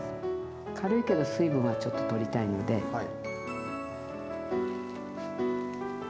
軽いけど水分はちょっと取りたいのではい。